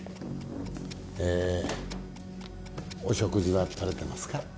えーお食事はとれてますか？